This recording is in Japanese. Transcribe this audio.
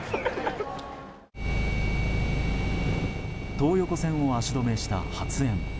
東横線を足止めした発煙。